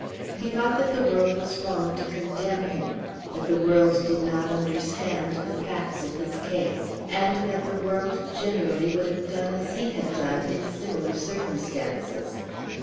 He thought that the world was wrong to condemn him, that the world did not understand the facts of his case, and that the world generally would have done as he had done in similar circumstances.